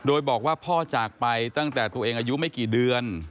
โดยบอกว่าพ่อจากไปตั้งแต่ตัวเองอายุไม่กี่เดือน